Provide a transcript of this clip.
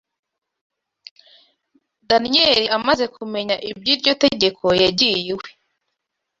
Daniyeli amaze kumenya iby’iryo tegeko yagiye iwe